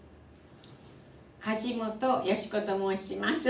梶本淑子と申します。